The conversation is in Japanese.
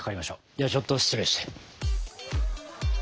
ではちょっと失礼して。